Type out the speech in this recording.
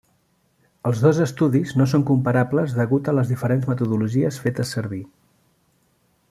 Els dos estudis no són comparables deguts a les diferents metodologies fetes servir.